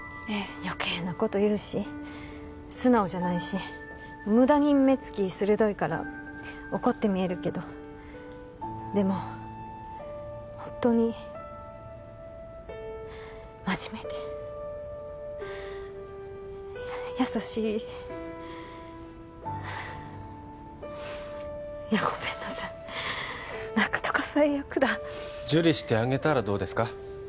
余計なこと言うし素直じゃないし無駄に目つき鋭いから怒ってみえるけどでもホントに真面目で優しいごめんなさい泣くとか最悪だ受理してあげたらどうですか？